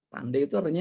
pandai itu artinya